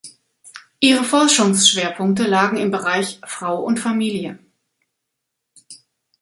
Ihre Forschungsschwerpunkte lagen im Bereich Frau und Familie.